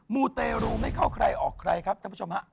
มูเตรูไม่เข้าใครออกใครครับท่านผู้ชมฮะ